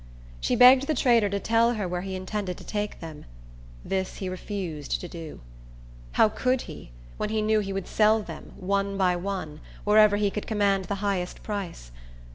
She begged the trader to tell her where he intended to take them; this he refused to do. How could he, when he knew he would sell them, one by one, wherever he could command the highest price?